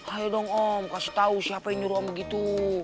ayo dong om kasih tahu siapa yang nyuruh om gitu